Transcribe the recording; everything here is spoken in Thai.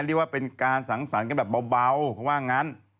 เรียกว่าเป็นการสังสรรค์กันแบบเบาเขาว่างั้น